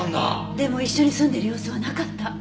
でも一緒に住んでいる様子はなかった。